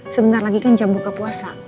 sebentar lagi kan jam buka puasa